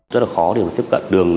rất là khó để tiếp cận đường